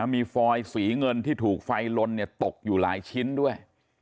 มีฟอยสีเงินที่ถูกไฟลนตกอยู่หลายชิ้นด้วย